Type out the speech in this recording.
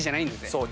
そう。